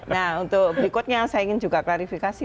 nah untuk berikutnya saya ingin juga klarifikasi